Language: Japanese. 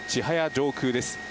上空です。